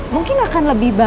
mungkin akan lebih baik